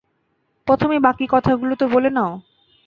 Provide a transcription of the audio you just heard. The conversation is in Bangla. প্রথমে বাকী কথাগুলো তো বলে নাও।